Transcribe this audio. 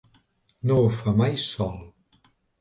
No ho fa mai sol.